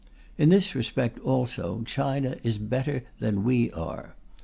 In this respect, also, China is better than we are.